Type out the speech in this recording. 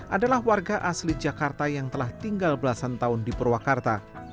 adalah warga asli jakarta yang telah tinggal belasan tahun di purwakarta